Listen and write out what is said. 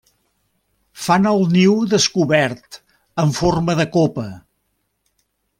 Fan el niu descobert, en forma de copa.